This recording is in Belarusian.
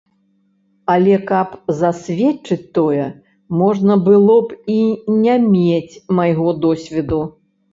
Але, каб засведчыць тое, можна было б і не мець майго досведу.